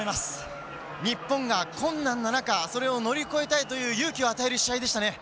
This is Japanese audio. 日本が困難な中それを乗り越えたいという勇気を与える試合でしたね。